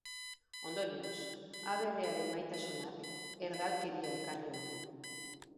Ondorioz, aberriaren maitasunak erdalkeria ekarri ohi du.